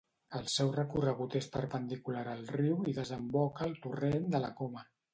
El seu recorregut és perpendicular al riu i desemboca al torrent de la Coma.